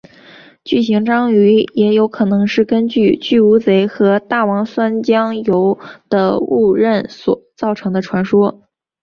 巨型章鱼也有可能是根据巨乌贼和大王酸浆鱿的误认所造成的传说。